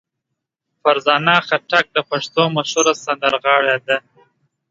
فرزانه خټک د پښتو مشهوره سندرغاړې ده.